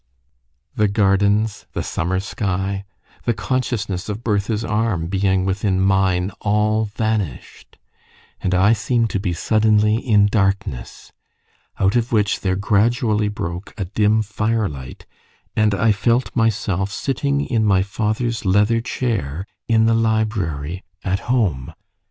The gardens, the summer sky, the consciousness of Bertha's arm being within mine, all vanished, and I seemed to be suddenly in darkness, out of which there gradually broke a dim firelight, and I felt myself sitting in my father's leather chair in the library at home.